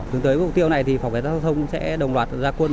tương tới mục tiêu này thì phòng cảnh sát giao thông sẽ đồng loạt ra quân